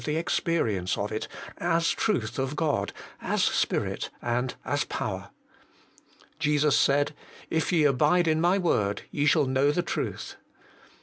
the experience of it, as truth of God, as spirit and as power. Jesus said, ' If ye abide in my word, ye shall know the truth.'